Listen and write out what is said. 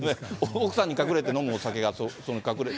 奥さんに隠れて飲むお酒が隠れて。